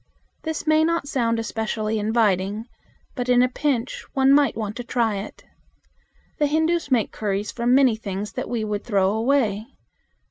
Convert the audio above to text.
This may not sound especially inviting, but in a pinch one might want to try it. The Hindus make curries from many things that we would throw away.